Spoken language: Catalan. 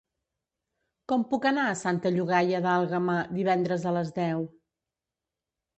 Com puc anar a Santa Llogaia d'Àlguema divendres a les deu?